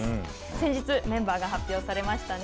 先日、メンバーが発表されましたね。